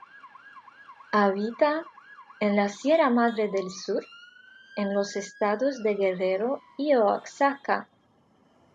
Habita en la Sierra Madre del Sur en los estados de Guerrero y Oaxaca.